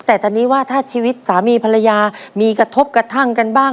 แต่ตอนนี้ว่าถ้าชีวิตสามีภรรยามีกระทบกระทั่งกันบ้าง